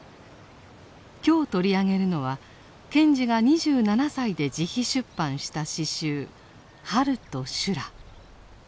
今日取り上げるのは賢治が２７歳で自費出版した詩集「春と修羅」。